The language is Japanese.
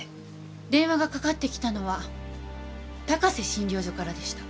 電話がかかってきたのは高瀬診療所からでした。